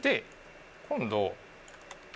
今度。